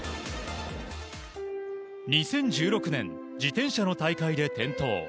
２０１６年、自転車の大会で転倒。